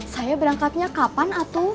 saya berangkatnya kapan atu